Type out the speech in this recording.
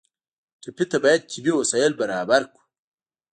ټپي ته باید طبي وسایل برابر کړو.